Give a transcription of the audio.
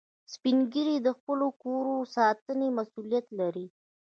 سپین ږیری د خپلو کورو د ساتنې مسؤولیت لري